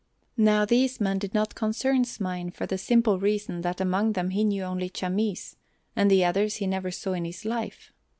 Now these men did not concern Smain for the simple reason that among them he knew only Chamis, and the others he never saw in his life.